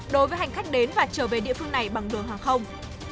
đối với hành khách đến và trở về địa phương này bằng đường hàng không